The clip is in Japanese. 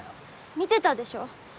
見てたでしょ？